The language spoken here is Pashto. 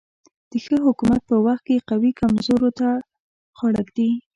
د ښه حکومت په وخت کې قوي کمزورو ته غاړه ږدي.